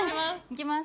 いきます。